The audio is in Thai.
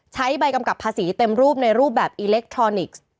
ใช้ใบกำกับภาษีเต็มรูปในรูปแบบอิเล็กทรอนิกส์